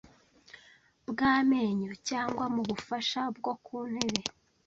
bw amenyo cyangwa mu bufasha bwo ku ntebe